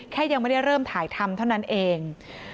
ยังไม่ได้เริ่มถ่ายทำเท่านั้นเอง